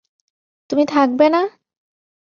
তুমি থাকবে না?